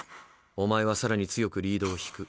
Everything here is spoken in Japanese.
お前はさらに強くリードを引く。